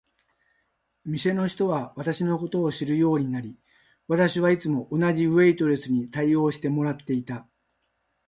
店の人は私のことを知るようになり、私はいつも同じウェイトレスに応対してもらっていた。